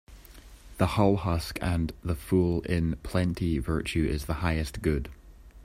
The hull husk and the full in plenty Virtue is the highest good.